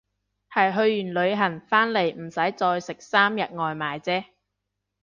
係去完旅行返嚟唔使再食三日外賣姐